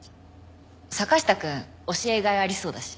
坂下くん教えがいありそうだし。